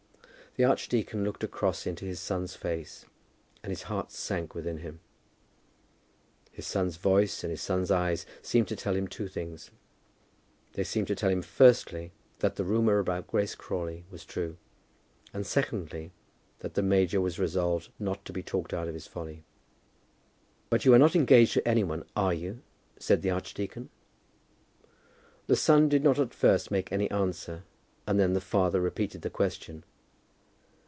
The archdeacon looked across into his son's face, and his heart sank within him. His son's voice and his son's eyes seemed to tell him two things. They seemed to tell him, firstly, that the rumour about Grace Crawley was true; and, secondly, that the major was resolved not to be talked out of his folly. "But you are not engaged to any one, are you?" said the archdeacon. The son did not at first make any answer, and then the father repeated the question.